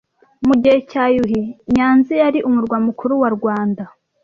Mugihe cya yuhi, nyanza yari umurwa mukuru wa rwanda